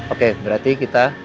oke berarti kita